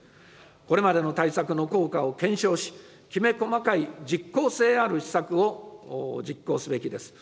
これまでの対策の効果を検証し、きめ細かい実効性ある施策を実行すべきです。